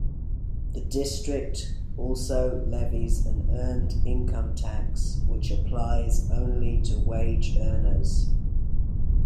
The District also levies an earned income tax which applies only to wage earners.